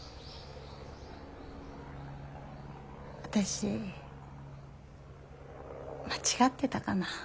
私間違ってたかな？